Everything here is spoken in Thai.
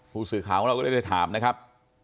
ผู้สื่อข่าวของเราก็เลยได้ถามนะครับ